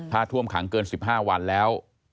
ถ้าท่วมขังเกิน๑๕วันแล้ว